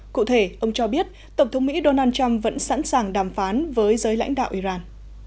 cụ thể ông cho biết tổng thống mỹ donald trump vẫn sẵn sàng đàm phán với giới lãnh đạo iran